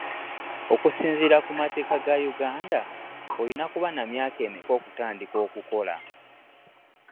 Okusisinzira ku mateeka ga Uganda olina kuba na myaka emeeka okutandika okukola?